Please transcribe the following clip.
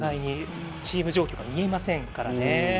チーム状況が見えませんからね。